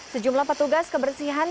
sejumlah petugas kebersihan